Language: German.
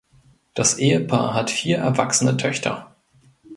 Das Ehepaar hat vier erwachsene Töchter.